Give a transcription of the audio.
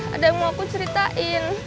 ada yang mau aku ceritain